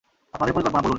আপনাদের পরিকল্পনা বলুন।